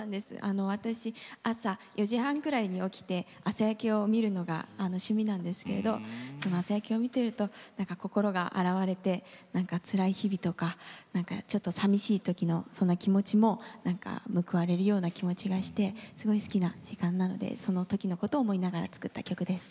私朝４時半くらいに起きて朝焼けを見るのが趣味なんですけれど朝焼けを見てると心が洗われてつらい日々とかちょっとさみしい時のそんな気持ちも報われるような気持ちがしてすごい好きな時間なのでその時のことを思いながら作った曲です。